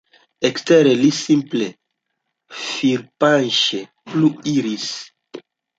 Ekstere, li simple firmpaŝe plu iris.